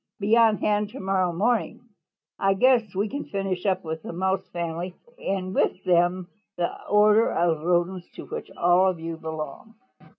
Be on hand to morrow morning. I guess we can finish up with the Mouse family then and with them the order of Rodents to which all of you belong."